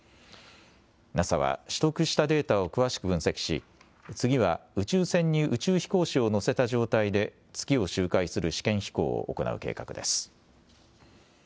ＮＡＳＡは、取得したデータを詳しく分析し、次は宇宙船に宇宙飛行士を乗せた状態で月を周回する試験飛行を行う計画です。